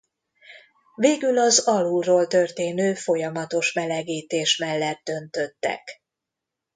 Végül az alulról történő folyamatos melegítés mellett döntöttek.